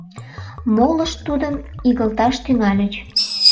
Молышт тудым игылташ тӱҥальыч.